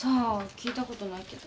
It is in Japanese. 聞いたことないけど。